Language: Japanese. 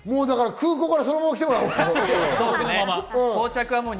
空港からそのまま来てもらおう。